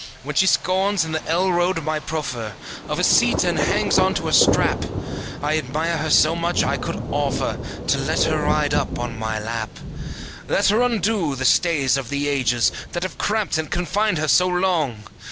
When she scorns, in the L road, my proffer Of a seat and hangs on to a strap; I admire her so much, I could offer To let her ride up on my lap. Let her undo the stays of the ages, That have cramped and confined her so long!